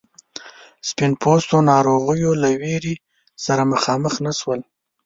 سپین پوستو ناروغیو له ویرې سره مخامخ نه شول.